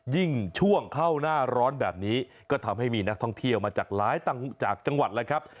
ยิ่งช่วงเข้าหน้าร้อนแบบนี้ก็ทำให้มีนักท่องเที่ยวมาจากหลายจากจังหวัดแล้วครับ